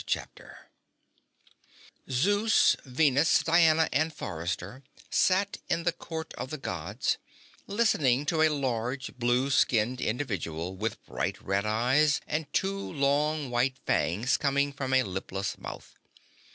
CHAPTER TWELVE Zeus, Venus, Diana and Forrester sat in the Court of the Gods, listening to a large, blue skinned individual with bright red eyes and two long white fangs coming from a lipless mouth.